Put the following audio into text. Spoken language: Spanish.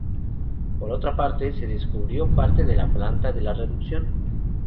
Por otra parte, se descubrió parte de la planta de la reducción.